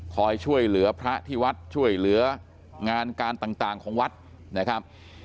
คอยช่วยเหลือพระที่วัดช่วยเหลืองานการต่างของวัดนะครับ